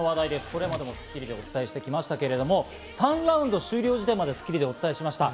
これまで『スッキリ』でお伝えしてきましたけれども、３ラウンド終了時点まで『スッキリ』でお伝えしました。